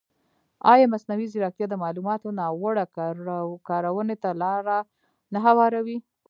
ایا مصنوعي ځیرکتیا د معلوماتو ناوړه کارونې ته لاره نه هواروي؟